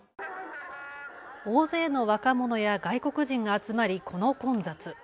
大勢の若者や外国人が集まりこの混雑。